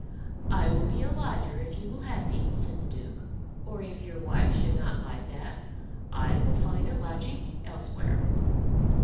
"I will be a lodger if you will have me," said the Duke; "or if your wife should not like that, I will find a lodging elsewhere."